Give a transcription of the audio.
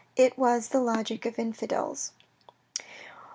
It was the logic of infidels.